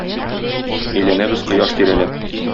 Әйләнәбез Кояш тирәләп.